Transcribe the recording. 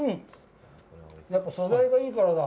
やっぱ素材がいいからだ。